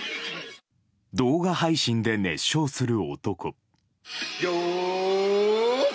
動画配信で熱唱する男。